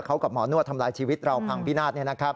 เขากับหมอนวดทำลายชีวิตเราพังพินาศ